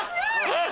えっ！